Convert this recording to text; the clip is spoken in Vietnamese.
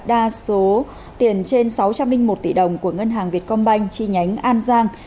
đa số tiền trên sáu trăm linh một tỷ đồng của ngân hàng việt công banh chi nhánh an giang